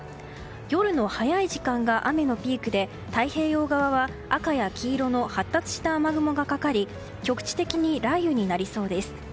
夜の早い時間が雨のピークで太平洋側は赤や黄色の発達した雨雲がかかり局地的に雷雨になりそうです。